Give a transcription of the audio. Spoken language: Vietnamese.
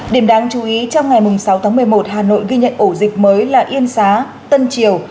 điểm đáng chú ý trong ngày sáu tháng một mươi một hà nội ghi nhận ổ dịch mới là yên xá tân triều